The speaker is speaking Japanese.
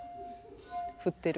振ってる。